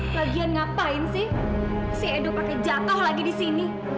bagian ngapain sih si edo pakai jatah lagi di sini